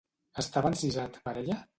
Estava encisat per ella?